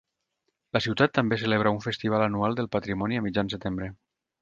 La ciutat també celebra un festival anual del patrimoni a mitjan setembre.